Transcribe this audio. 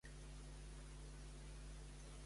Què feia habitualment a la missa?